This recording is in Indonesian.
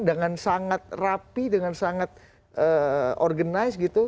dengan sangat rapi dengan sangat organisasi gitu